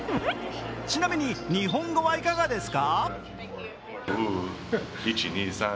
ちなみに日本語はいかがですか。